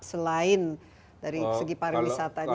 selain dari segi pariwisatanya